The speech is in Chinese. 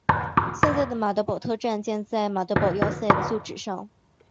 现在的马德堡车站建在马德堡要塞的旧址上。